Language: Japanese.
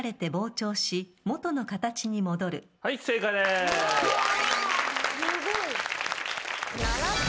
すごい！